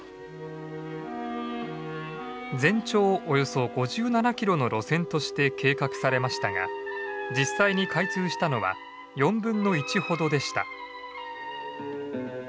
およそ５７キロの路線として計画されましたが実際に開通したのは４分の１ほどでした。